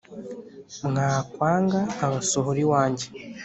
mwakwanga nkabasohora iwange